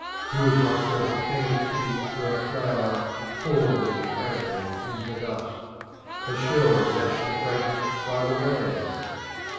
Who has not felt a pang of pity for a flower torn and trampled in the dust, a shell dashed to fragments by the waves?